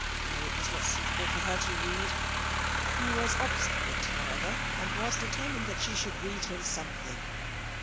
No, it was not suitable for her to read. He was obstinate, however, and was determined she should read him something.